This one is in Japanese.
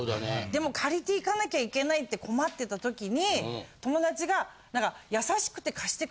でも借りていかなきゃいけないって困ってた時に友達が何か。